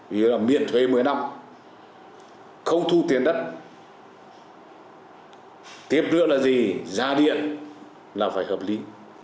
ví dụ là miễn thuế một mươi năm không thu tiền đất tiếp nữa là gì giá điện là phải hợp lý